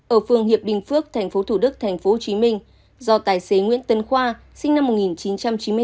ở phường hiệp bình phước tp thủ đức tp hcm do tài xế nguyễn tân khoa sinh năm một nghìn chín trăm chín mươi bốn